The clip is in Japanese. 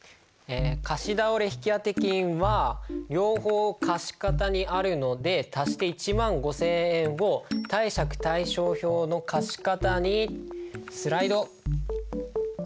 貸倒引当金は両方貸方にあるので足して１万５，０００円を貸借対照表の貸方にスライド。